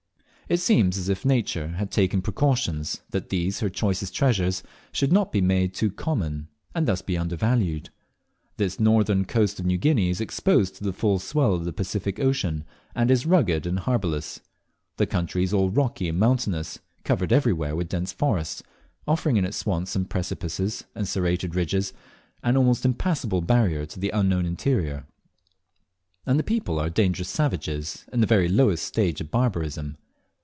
It seems as if Nature had taken precautions that these her choicest treasures should not be made too common, and thus be undervalued. This northern coast of New Guinea is exposed to the full swell of the Pacific Ocean, and is rugged and harbourless. The country is all rocky and mountainous, covered everywhere with dense forests, offering in its swamps and precipices and serrated ridges an almost impassable barrier to the unknown interior; and the people are dangerous savages, in the very lowest stage of barbarism.